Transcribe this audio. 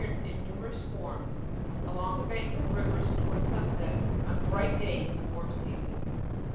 45 numerous swarms along the banks of rivers, towards sunset, on bright days in the warm season.